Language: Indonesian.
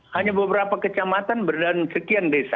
hanya beberapa kecamatan berada di sekian desa